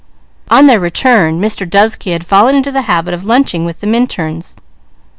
On their return Mr. Dovesky had fallen into the habit of lunching with the Minturns.